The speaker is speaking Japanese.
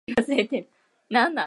何なん